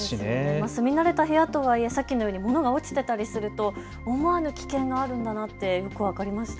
住み慣れた部屋とはいえさっきのように物が落ちたりするなどの思わぬ危険があるんだなとよく分かりました。